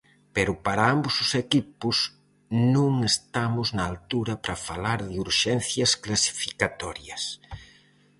Pero para ambos os equipos non estamos na altura para falar de urxencias clasificatorias.